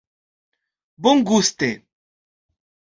bonguste